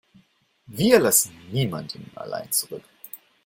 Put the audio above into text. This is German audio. Wir lassen niemanden allein zurück.